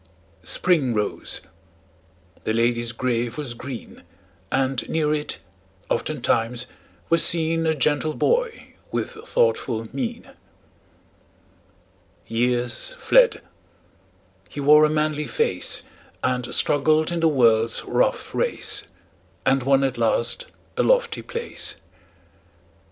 Spring rose; the lady's grave was green; And near it, oftentimes, was seen A gentle boy with thoughtful mien. Years fled; he wore a manly face, And struggled in the world's rough race, And won at last a lofty place.